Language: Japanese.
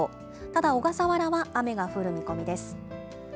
ただ小笠原は雨が降る見込みです。